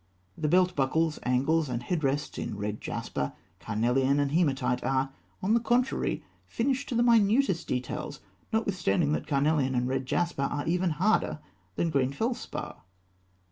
The belt buckles, angles, and head rests in red jasper, carnelian, and hematite, are, on the contrary, finished to the minutest details, notwithstanding that carnelian and red jasper are even harder than green felspar.